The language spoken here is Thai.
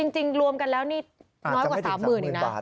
จริงรวมกันแล้วนี่น้อยกว่า๓๐๐๐๐บาทอีกนะ